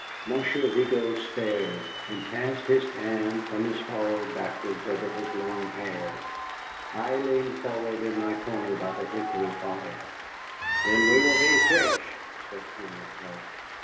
Monsieur Vigo stared, and passed his hand from his forehead backwards over his long hair. I leaned forward in my corner by the hickory fire. "Then we will be fish," said Colonel Clark.